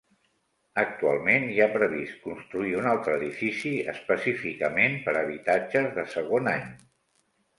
Actualment hi ha previst construir un altre edifici específicament per a habitatges de segon any.